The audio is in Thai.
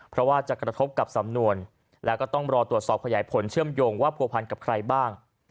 เพราะว่าจะกระทบกับสำนวนแล้วก็ต้องรอตรวจสอบขยายผลเชื่อมโยงว่าผัวพันกับใครบ้าง